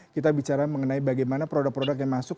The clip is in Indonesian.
kita bicara mengenai bagaimana produk produk yang masuk